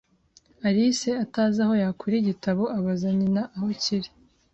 Alice, atazi aho yakura igitabo, abaza nyina aho kiri.